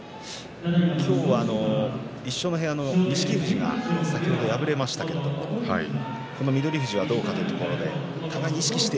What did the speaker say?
今日は一緒の部屋の錦富士が先ほど敗れましたけれどこの翠富士がどうかというところで互いに意識して